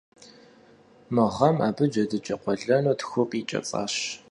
Мы гъэм абы джэдыкӀэ къуэлэну тху къикӀэцӀащ.